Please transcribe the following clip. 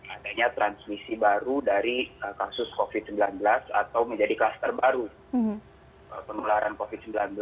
adanya transmisi baru dari kasus covid sembilan belas atau menjadi kluster baru penularan covid sembilan belas